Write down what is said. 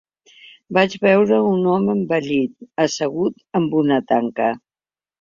Vaig veure un home envellit, assegut en una tanca.